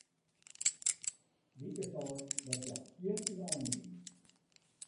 Wieke sei dat hja skjin ynein wie.